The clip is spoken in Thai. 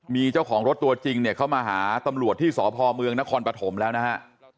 มีเจ้าของรถตัวจริงเนี่ยเขามาหาตำรวจที่สพเมืองนครปฐมแล้วนะฮะ